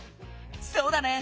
そうだね！